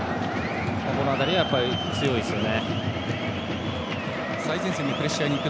この辺りは強いですね。